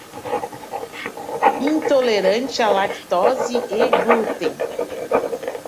Intolerante à lactose e glúten